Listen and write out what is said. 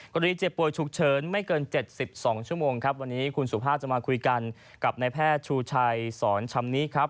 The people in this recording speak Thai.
เจ็บป่วยฉุกเฉินไม่เกิน๗๒ชั่วโมงครับวันนี้คุณสุภาพจะมาคุยกันกับนายแพทย์ชูชัยสอนชำนี้ครับ